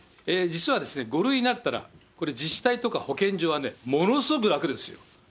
実は５類になったら、これ、自治体とか保健所はものすごく楽ですよ。